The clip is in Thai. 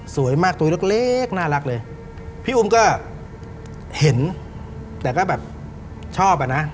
สวยมากตัวเล็กเล็กน่ารักเลยพี่อุ้มก็เห็นแต่ก็แบบชอบอ่ะนะ